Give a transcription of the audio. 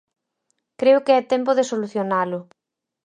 Creo que é tempo de solucionalo.